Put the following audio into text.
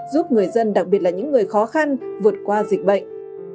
giúp người dân đặc biệt là những người khó khăn vượt qua dịch bệnh